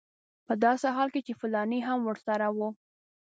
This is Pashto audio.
په داسې حال کې چې فلانی هم ورسره و.